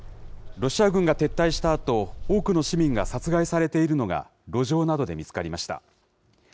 ロシア軍が撤退したあと、多くの市民が殺害されているのが路上などで見つかりました。